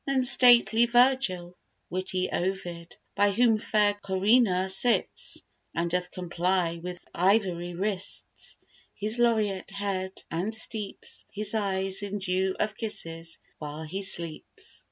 Then stately Virgil, witty Ovid, by Whom fair Corinna sits, and doth comply With ivory wrists his laureat head, and steeps His eye in dew of kisses while he sleeps.